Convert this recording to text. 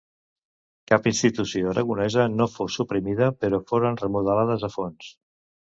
Cap institució aragonesa no fou suprimida però foren remodelades a fons.